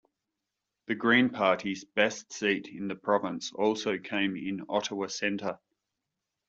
The Green Party's best seat in the province also came in Ottawa Centre.